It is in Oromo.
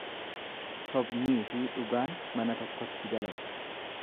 Sobniifi dhugaan mana tokkotti galan.